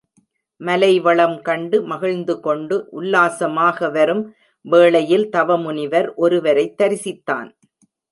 மலை வளம் கண்டு மகிழ்ந்துகொண்டு, உல்லாசமாக வரும் வேளையில் தவமுனிவர் ஒருவரைத் தரிசித்தான்.